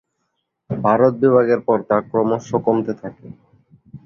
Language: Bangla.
ভারত বিভাগের পর তা ক্রমশ কমতে থাকে।